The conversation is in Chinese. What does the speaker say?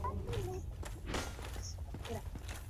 无人能取代您的基督教王国！